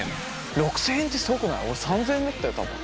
６，０００円ってすごくない俺３，０００円だったよ多分。